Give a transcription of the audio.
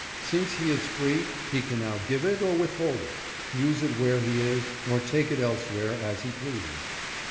Since he is free he can now give it or withhold it ; use it where he is, or take it else where as he pleases.